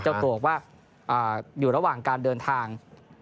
เจ้าตัวบอกว่าอยู่ระหว่างการเดินทาง